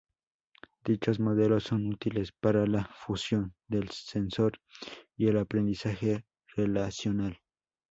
Dichos modelos son útiles para la fusión del sensor y el aprendizaje relacional.